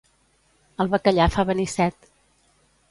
El bacallà fa venir set.